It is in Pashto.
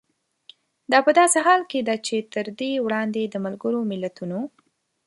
دا په داسې حال کې ده چې تر دې وړاندې د ملګرو ملتونو